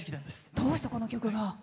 どうして、この曲が？